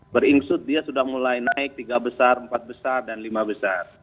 beringsut dia sudah mulai naik tiga besar empat besar dan lima besar